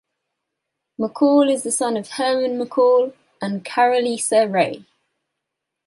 McCall is the son of Herman McCall and Caroleasa Ray.